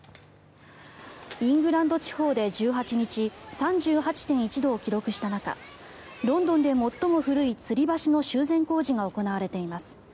イングランド地方で１８日３８．１度を記録した中ロンドンで最も古いつり橋の修繕工事が行われています。